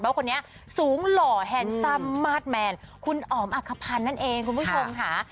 เพราะว่าคนนี้สูงหล่อแฮนซ์ซัมมาสต์แมนคุณอ๋อมอักภัณฑ์นั่นเองคุณผู้ชมหา